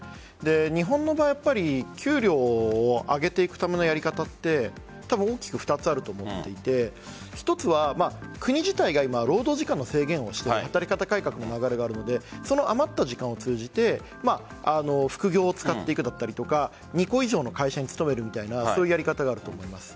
日本の場合給料を上げていくためのやり方って大きく２つあると思っていて一つは国自体が今、労働時間の制限をしている働き方改革の流れがあるので余った時間を通じて副業に使っていくだったりとか２個以上の会社に勤めるみたいなやり方があると思います。